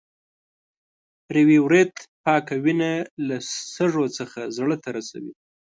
ریوي ورید پاکه وینه له سږو څخه زړه ته رسوي.